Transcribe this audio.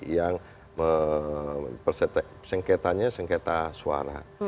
yang sengketanya sengketa suara